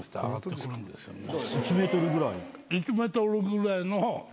１ｍぐらいの。